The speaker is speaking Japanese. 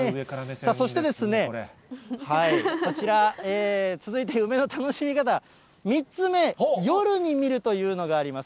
そしてこちら、続いて梅の楽しみ方３つ目、夜に見るというのがあります。